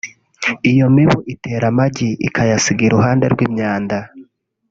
Iyo mibu itera amagi ikayasiga iruhande rw’imyanda